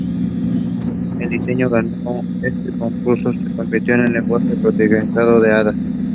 El diseño que ganó este concurso se convirtió en el lenguaje de programación Ada.